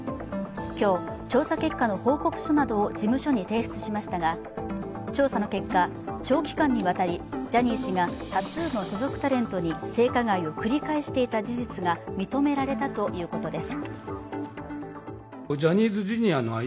今日、調査結果の報告書などを事務所に提出しましたが調査の結果、長期間にわたり、ジャニー氏が多数の所属タレントに性加害を繰り返していた事実が認められたということです。